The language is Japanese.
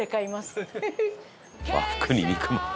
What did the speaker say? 「和服に肉まん。